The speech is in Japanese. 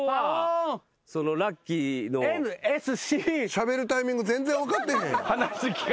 しゃべるタイミング全然分かってへん。